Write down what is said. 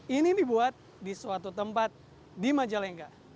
ini dibuat di suatu tempat di majalengka